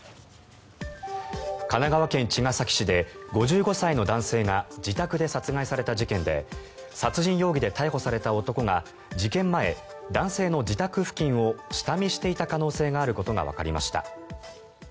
神奈川県茅ヶ崎市で５５歳の男性が自宅で殺害された事件で殺人容疑で逮捕された男が事件前、男性の自宅付近を下見していた可能性があることがわかりました。